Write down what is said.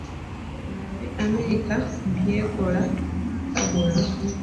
Mulabe America by'ekola mu mwaka ogumu.